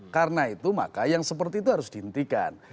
karena itu maka yang seperti itu harus dihentikan